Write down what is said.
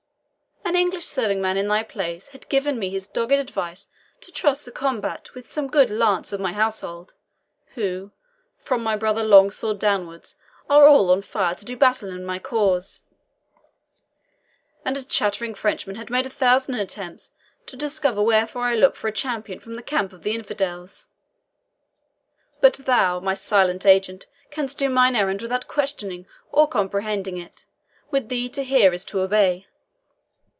An English serving man in thy place had given me his dogged advice to trust the combat with some good lance of my household, who, from my brother Longsword downwards, are all on fire to do battle in my cause; and a chattering Frenchman had made a thousand attempts to discover wherefore I look for a champion from the camp of the infidels. But thou, my silent agent, canst do mine errand without questioning or comprehending it; with thee to hear is to obey."